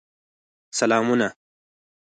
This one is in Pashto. سلامونه